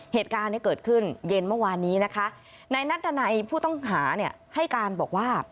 เหตุการณ์ที่เกิดขึ้นเย็นเมื่อวานนี้นะคะนายนัดดันัยผู้ต้องหาเนี่ยให้การบอกว่า